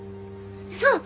そう！